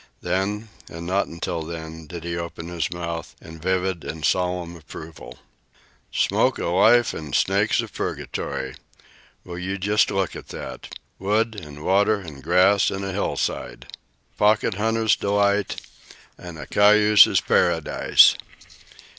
Then, and not until then, did he open his mouth in vivid and solemn approval: "Smoke of life an' snakes of purgatory! Will you just look at that! Wood an' water an' grass an' a side hill! A pocket hunter's delight an' a cayuse's paradise!